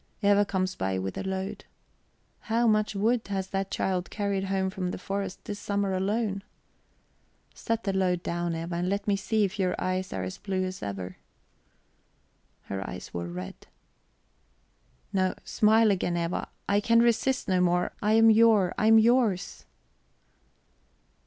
Eva comes by with a load. How much wood has that child carried home from the forest this summer alone? "Set the load down, Eva, and let me see if your eyes are as blue as ever." Her eyes were red. "No smile again, Eva! I can resist no more; I am your, I am yours..."